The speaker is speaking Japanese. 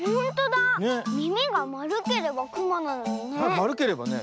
みみがまるければくまなのにね。